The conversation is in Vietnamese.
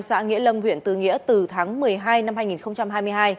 xã nghĩa lâm huyện tư nghĩa từ tháng một mươi hai năm hai nghìn hai mươi hai